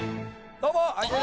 どうも！